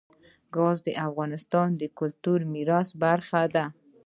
ګاز د افغانستان د کلتوري میراث برخه ده.